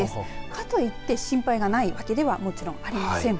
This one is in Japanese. かといって心配がないわけではもちろんありません。